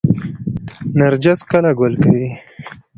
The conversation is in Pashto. نرجس کله ګل کوي؟